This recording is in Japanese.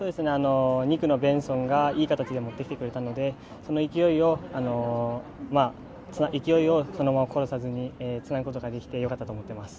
２区のベンソンがいい形で持ってきてくれたのでその勢いをそのまま殺さずにつなぐことができてよかったと思っています。